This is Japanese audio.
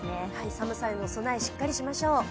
寒さへの備え、しっかりしましょう。